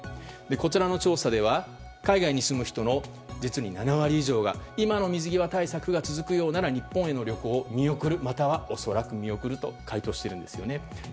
こちらの調査では海外に住む人の実に７割以上は今の水際対策が続くようなら日本への旅行を見送るまたは恐らく見送ると回答しているんですね。